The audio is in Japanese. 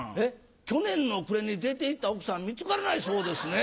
去年の暮れに出て行った奥さん見つからないそうですね。